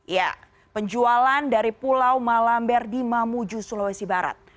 ya penjualan dari pulau malamber di mamuju sulawesi barat